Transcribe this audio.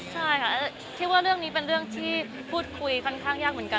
ใช่ค่ะคิดว่าเรื่องนี้เป็นเรื่องที่พูดคุยค่อนข้างยากเหมือนกัน